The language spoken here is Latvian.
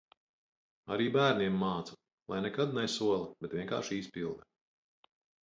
Arī bērniem mācu, lai nekad nesola, bet vienkārši izpilda.